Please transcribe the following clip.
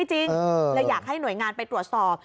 จริงเลยอยากให้หน่วยงานไปตรวจสอบ